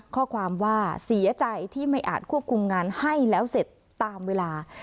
ข้อความว่าเสียใจที่ไม่อาจควบคุมงานให้แล้วเสร็จตามเวลา